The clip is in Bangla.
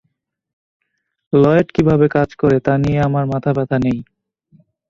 লয়েড কীভাবে কাজ করে তা নিয়ে আমার মাথাব্যথা নেই।